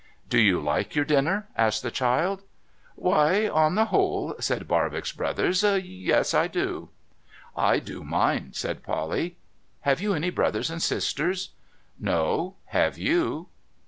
' Do you like your dinner ?' asked the child. ' Why, on the whole,' said Barbox Brothers, ' yes, I think I do.' ' I do mine,' said Polly. ' Have you any brothers and sisters ?'' No. Have you